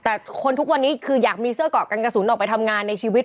แต่คนทุกวันนี้คืออยากมีเสื้อเกาะกันกระสุนออกไปทำงานในชีวิต